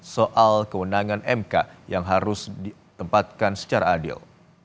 soal kewenangan mk yang harus ditempatkan secara adil